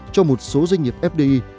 cho một số doanh nghiệp fdi